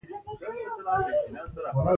توندلارو طالبانو څخه هغوی بېلول.